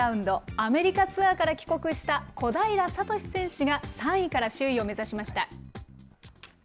アメリカツアーから帰国した小平智選手が、３位から首位を目指しました。